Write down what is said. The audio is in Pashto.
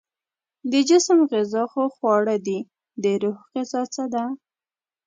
د جسم غذا خو خواړه دي، د روح غذا څه ده؟